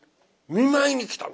見舞いに来たんだ。